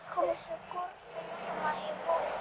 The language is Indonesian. kamu syukur dengan ibu